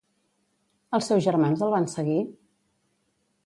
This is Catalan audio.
Els seus germans el van seguir?